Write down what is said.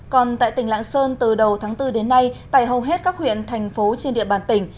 còn tại tỉnh lạng sơn từ đầu tháng bốn đến nay tại hầu hết các huyện thành phố trên địa bàn tỉnh